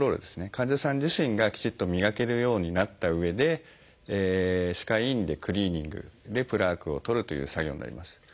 患者さん自身がきちっと磨けるようになったうえで歯科医院でクリーニングでプラークを取るという作業になります。